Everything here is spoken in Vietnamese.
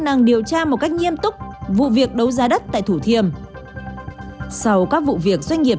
năng điều tra một cách nghiêm túc vụ việc đấu giá đất tại thủ thiêm sau các vụ việc doanh nghiệp